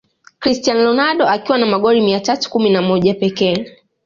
Cristiano Ronaldo akiwa na magoli mia tau kumi na mojapekee